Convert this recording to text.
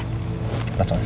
gimana kondisi semangat